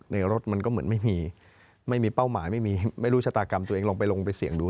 รถมันก็เหมือนไม่มีไม่มีเป้าหมายไม่มีไม่รู้ชะตากรรมตัวเองลองไปลงไปเสี่ยงดู